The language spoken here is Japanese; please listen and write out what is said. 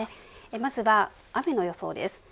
まずは、雨の予想です。